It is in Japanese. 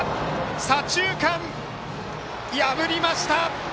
左中間を破りました。